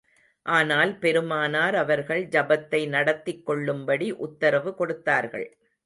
ஆனால், பெருமானார் அவர்கள் ஜபத்தை நடத்திக் கொள்ளும்படி உத்தரவு கொடுத்தார்கள்.